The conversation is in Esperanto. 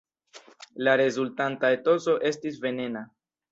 La rezultanta etoso estis venena.